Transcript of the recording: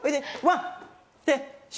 ワン！